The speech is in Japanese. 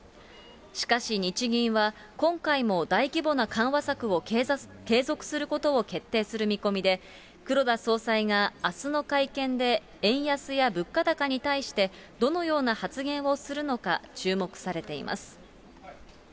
しかし日銀は、今回も大規模な緩和策を継続することを決定する見込みで、黒田総裁があすの会見で、円安や物価高に対して、どのような発言をするのか注目されています。